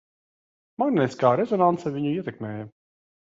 Magnētiskā rezonanse viņu ietekmēja.